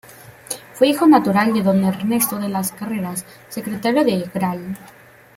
Fue hijo natural de don Ernesto de las Carreras, secretario del Gral.